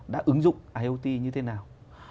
đã ứng dụng iot như thế nào